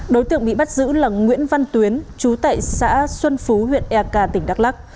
đối tượng bị bắt giữ là nguyễn văn tuyến chú tại xã xuân phú huyện ek tỉnh đắk lắc